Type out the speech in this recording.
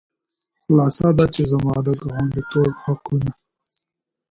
خلاصه دا چې زما د ګاونډیتوب حقونه.